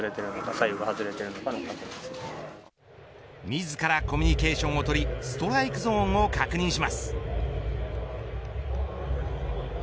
自らコミュニケーションをとりストライクゾーンを確認します。